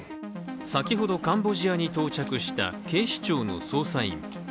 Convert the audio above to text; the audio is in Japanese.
先ほど、カンボジアに到着した警視庁の捜査員。